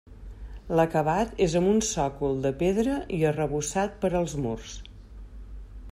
L'acabat és amb un sòcol de pedra i arrebossat per als murs.